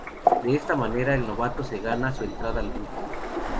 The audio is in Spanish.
De esta manera, el novato se gana su entrada al grupo.